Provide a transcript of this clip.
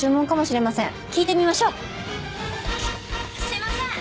「すいません。